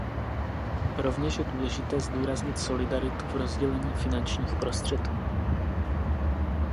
Rovněž je důležité zdůraznit solidaritu v rozdělení finančních prostředků.